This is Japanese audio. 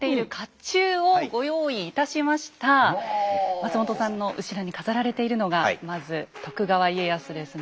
松本さんの後ろに飾られているのがまず徳川家康ですね。